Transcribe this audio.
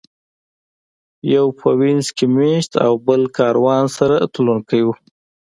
یو په وینز کې مېشت او بل کاروان سره تلونکی و.